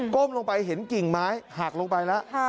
้มลงไปเห็นกิ่งไม้หักลงไปแล้ว